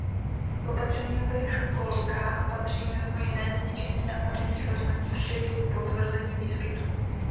K opatřením ve školkách patří mimo jiné zničení napadených rostlin při potvrzení výskytu.